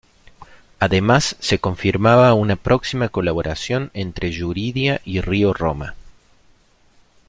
Además se confirmaba una próxima colaboración entre Yuridia y Río Roma.